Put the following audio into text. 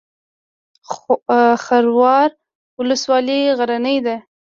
خروار ولسوالۍ غرنۍ ده؟